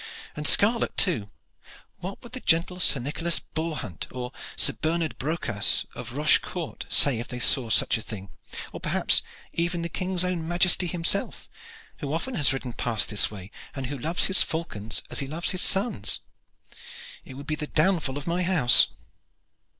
And scarlet too! What would the gentles Sir Nicholas Boarhunte, or Sir Bernard Brocas, of Roche Court, say if they saw such a thing or, perhaps, even the King's own Majesty himself, who often has ridden past this way, and who loves his falcons as he loves his sons? It would be the downfall of my house."